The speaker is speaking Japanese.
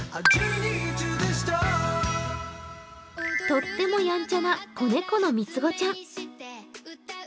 とってもやんちゃな子猫の３つ子ちゃん。